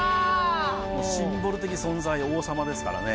シンボル的存在王様ですからね。